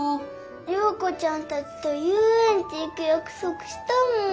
リョーコちゃんたちとゆうえんち行くやくそくしたもん。